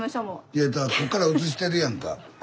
いやだからこっから映してるやんか。